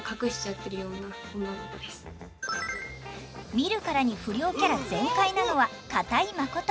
見るからに不良キャラ全開なのは片居誠。